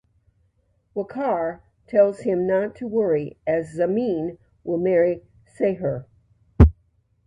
Waqar tells him not to worry as Zamin will marry Seher.